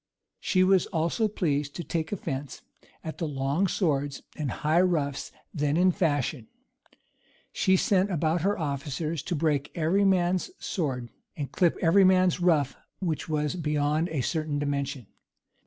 She was also pleased to take offence at the long swords and high ruffs then in fashion: she sent about her officers to break every man's sword, and clip every man's ruff which was beyond a certain dimension.